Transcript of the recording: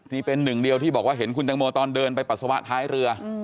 นี่เป็นหนึ่งเดียวที่บอกว่าเห็นคุณตังโมตอนเดินไปปัสสาวะท้ายเรือ